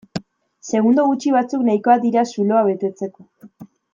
Segundo gutxi batzuk nahikoa dira zuloa betetzeko.